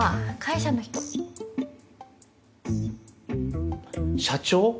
社長？